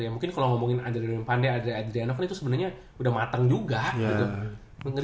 ya mungkin kalo ngomongin adrian pande adrian adriano kan itu sebenernya udah mateng juga gitu